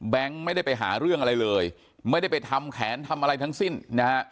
ไม่ได้ไปหาเรื่องอะไรเลยไม่ได้ไปทำแขนทำอะไรทั้งสิ้นนะฮะ